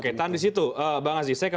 oke tahan di situ bang aziz saya ke